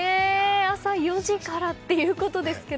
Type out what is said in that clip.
朝４時からということですが。